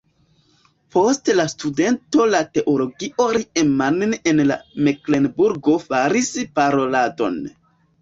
Poste la studento de teologio Riemann el Meklenburgo faris paroladon.